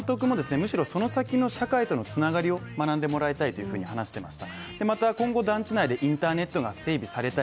むしろその先の社会との繋がりを学んでもらいたいというふうに話してました。